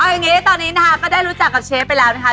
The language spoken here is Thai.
เอาอย่างนี้ตอนนี้นะคะก็ได้รู้จักกับเชฟไปแล้วนะคะ